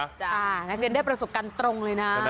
นักเรียนได้ประสบการณ์ตรงเลยนะ